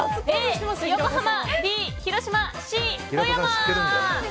Ａ、横浜Ｂ、広島Ｃ、富山。